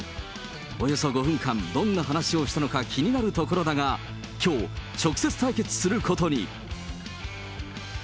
およそ５分間、どんな話をしたのか気になるところだが、きょう、直接対決することに。